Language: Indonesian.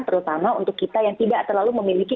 terutama untuk kita yang tidak terlalu memiliki